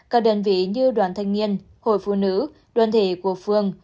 các đơn vị như đoàn thanh niên hội phụ nữ đoàn thể của phương